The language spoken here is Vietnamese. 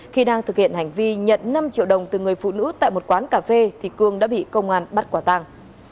khi đang thực hiện hành vi nhận năm triệu đồng từ người phụ nữ tại một quán cà phê thì cương đã bị công an bắt quả tàng